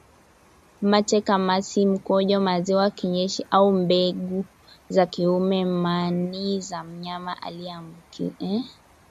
mate kamasi mkojo maziwa kinyesi au mbegu za kiume manii za mnyama aliyeambukizwa